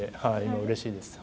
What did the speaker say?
うれしいです。